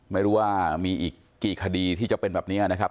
ไม่รู้ว่ามีอีกกี่คดีที่จะเป็นแบบนี้นะครับ